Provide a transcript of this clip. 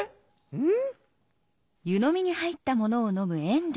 うん！？